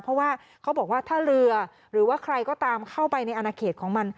เพราะว่าเขาบอกว่าถ้าเรือหรือว่าใครก็ตามเข้าไปในอนาเขตของมัน